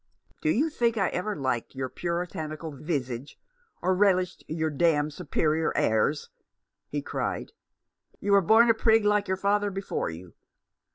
"Do you think I ever liked your Puritanical visage, or relished your damned superior airs ?" he cried. " You were born a prig, like your father before you.